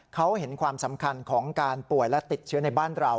เขาเห็นความสำคัญของการป่วยและติดเชื้อในบ้านเรา